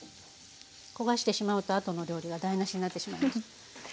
焦がしてしまうとあとの料理が台なしになってしまいます。